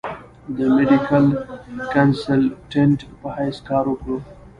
د ميډيکل کنسلټنټ پۀ حېث کار اوکړو ۔